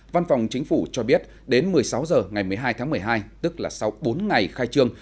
văn phòng chính phủ cho biết đến một mươi sáu h ngày một mươi hai tháng một mươi hai tức là sau bốn ngày khai trương